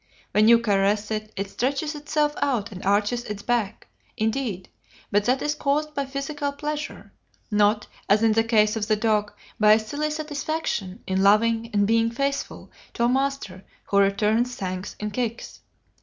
When you caress it, it stretches itself out and arches its back, indeed: but that is caused by physical pleasure, not, as in the case of the dog, by a silly satisfaction in loving and being faithful to a master who returns thanks in kicks.